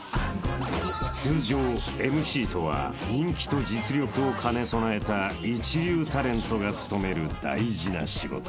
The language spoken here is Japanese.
［通常ＭＣとは人気と実力を兼ね備えた一流タレントが務める大事な仕事］